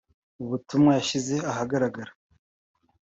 Mu butumwa yashyize ahagaragara